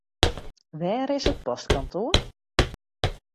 Wêr is it postkantoar?